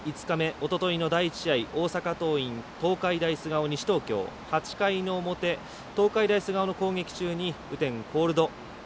おとといの第１試合、大阪桐蔭東海大菅生、西東京８回の表、東海大菅生の攻撃中に雨天コールド。